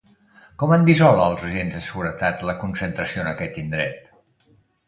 Com han dissolt els agents de seguretat la concentració en aquest indret?